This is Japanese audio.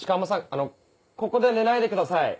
あのここで寝ないでください。